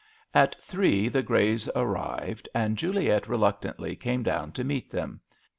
At three the Greys arrived, and Juliet reluctantly came down to meet them.